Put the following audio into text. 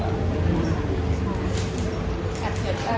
แอบเสียใจ